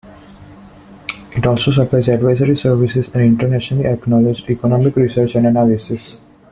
It also supplies advisory services and internationally acknowledged economic research and analysis.